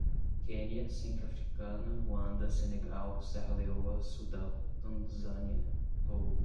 Quenia, Centro-Africana, Ruanda, Senegal, Serra Leoa, Sudão, Tanzânia, Togo